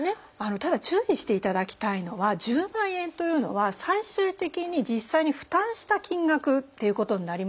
ただ注意していただきたいのは１０万円というのは最終的に実際に負担した金額っていうことになりますので。